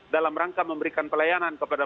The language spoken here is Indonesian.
dalam rangka memberikan pelayanan kepada